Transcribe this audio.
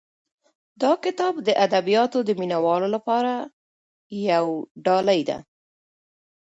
دا کتاب د ادبیاتو د مینه والو لپاره یو ډالۍ ده.